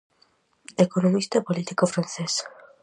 Economista e político francés.